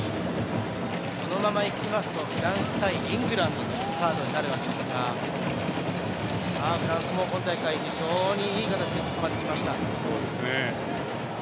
このまま、いきますとフランス対イングランドというカードになるわけですがフランスも今大会、非常にいい形でここまできました。